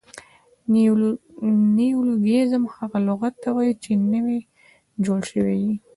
نیولوګیزم هغه لغت ته وایي، چي نوي جوړ سوي يي.